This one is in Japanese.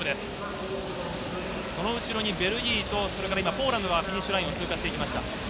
その後ろにベルギーとポーランドがフィニッシュラインを通過していきました。